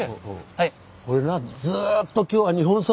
はい。